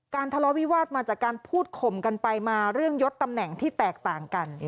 ทะเลาะวิวาสมาจากการพูดข่มกันไปมาเรื่องยดตำแหน่งที่แตกต่างกัน